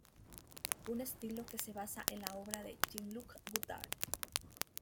Un estilo que se basa en la obra de Jean-Luc Godard.